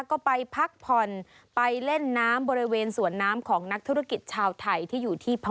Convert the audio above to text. ก็ไปพักผ่อนไปเล่นน้ำบริเวณสวนน้ำของนักธุรกิจชาวไทย